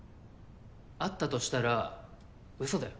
あったとしたらうそだよ